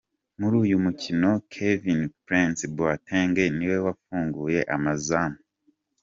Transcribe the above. Muri uyu mukino Kevin-Prince Boateng niwe wafunguye amazamu.